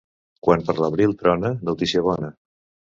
Quan per l'abril trona, notícia bona.